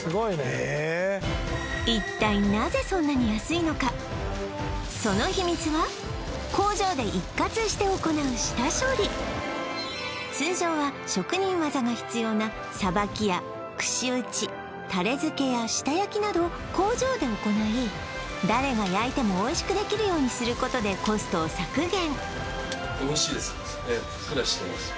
えっ一体その秘密は工場で一括して行う下処理通常は職人技が必要なさばきや串打ちタレ漬けや下焼きなど工場で行い誰が焼いてもおいしくできるようにすることでコストを削減